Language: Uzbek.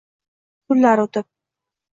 Kunlar o’tib